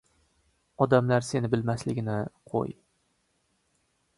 — Odamlar seni bilmasligini qo‘y